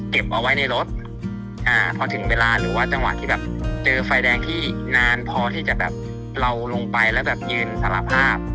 เก็บเอาไว้ในรถที่เวลาไฟแดงนานที่จะเรานั่นไปยืนกับสารภาพ